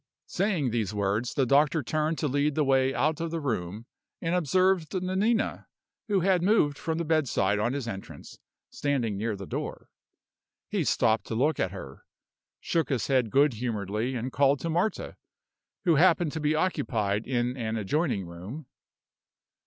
Saying these words, the doctor turned to lead the way out of the room, and observed Nanina, who had moved from the bedside on his entrance, standing near the door. He stopped to look at her, shook his head good humoredly, and called to Marta, who happened to be occupied in an adjoining room.